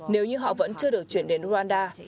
nếu như họ vẫn chưa được chuyển đến rwanda